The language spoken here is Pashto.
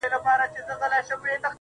بس دوغنده وي پوه چي په اساس اړوي سـترگـي